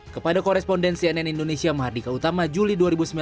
kepada koresponden cnn indonesia mahardika utama juli dua ribu sembilan belas